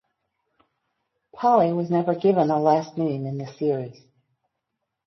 Polly was never given a last name in the series.